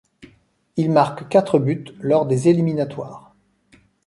Il marque quatre buts lors des éliminatoires.